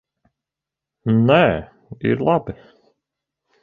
Nē, ir labi.